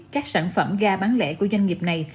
các sản phẩm ga bán lẻ của doanh nghiệp này